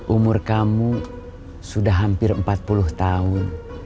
umur kamu sudah hampir empat puluh tahun